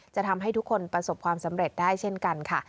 จะทำให้ทุกคนประสบความสำเร็จได้เช่นกันค่ะ